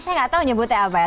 saya nggak tahu nyebutnya apa ya